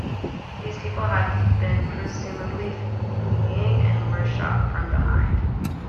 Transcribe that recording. These people had been presumably fleeing and were shot from behind.